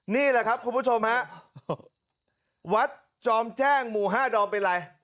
นี่แหละครับคุณผู้ชมฮะ